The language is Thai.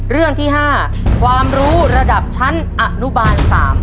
เรื่องที่๕ความรู้ระดับชั้นอนุบาล๓